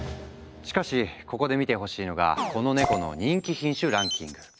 しかしここで見てほしいのがこのネコの人気品種ランキング。